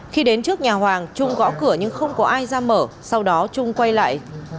khi đến trước nhà hoàng trung gõ cửa nhưng không có ai ra mở sau đó trung quay lại